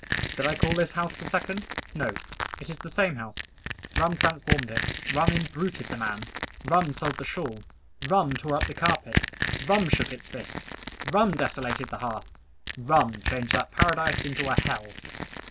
Did I call this house the second? No; it is the same house. Rum transformed it. Rum imbruted the man. Rum sold the shawl. Rum tore up the carpets. Rum shook its fist. Rum desolated the hearth. Rum changed that paradise into a hell!